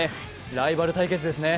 ライバル対決ですね。